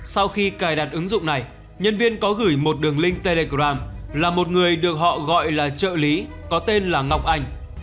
sau khi cài đặt ứng dụng này nhân viên có gửi một đường link telegram là một người được họ gọi là trợ lý có tên là ngọc anh